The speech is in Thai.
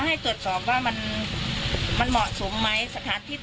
เกิดว่าจะต้องมาตั้งโรงพยาบาลสนามตรงนี้